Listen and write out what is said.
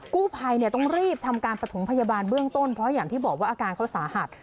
กู้ภัยต้องรีบทำการประถมพยาบาลเบื้องต้นเพราะอย่างที่บอกว่าอาการเขาสาหัส